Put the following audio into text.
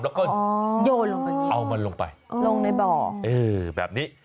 แล้วก็โยนลงไปเอามันลงไปแบบนี้